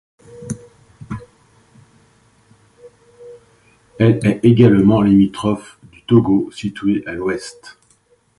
Elle est également limitrophe du Togo, situé à l'ouest.